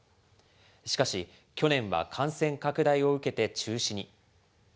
しかし、去年は感染拡大を受けて中止に。